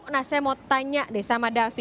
nah saya mau tanya deh sama davi